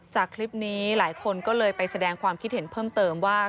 จากคลิปนี้หลายคนก็เลยไปแสดงความคิดเห็นเพิ่มเติมว่า